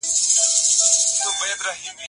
چي هر چا ویل احسان د ذوالجلال وو